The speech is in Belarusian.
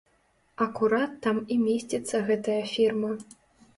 Акурат там і месціцца гэтая фірма.